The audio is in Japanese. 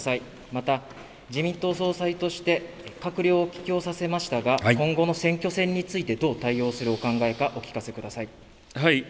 また、自民党総裁として、閣僚を帰京させましたが、今後の選挙戦について、どう対応するお考えか、お聞かせください。